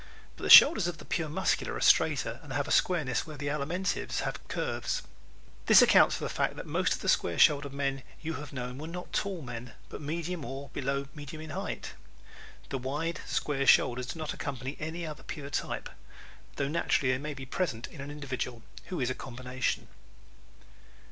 But the shoulders of the pure Muscular are straighter and have a squareness where the Alimentive's have curves. This accounts for the fact that most of the square shouldered men you have known were not tall men, but medium or below medium in height. The wide square shoulders do not accompany any other pure type, though naturally they may be present in an individual who is a combination.